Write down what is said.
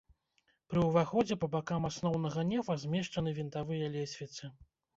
Пры ўваходзе па бакам асноўнага нефа змешчаны вінтавыя лесвіцы.